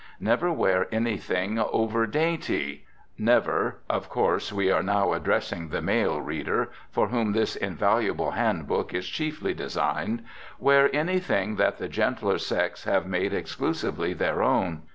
Never wear anything over dainty. Never of course, we are now addressing the male reader, for whom this invaluable Hand Book is chiefly designed wear anything that the gentler sex have made exclusively their own.